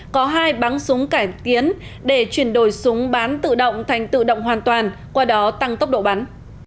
có hai bắn súng cải tiến để chuyển đổi súng bán tự động thành tự động hoàn toàn qua đó tăng tốc độ bắn